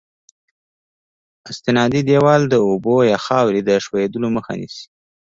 استنادي دیوال د اوبو یا خاورې د ښوېدلو مخه نیسي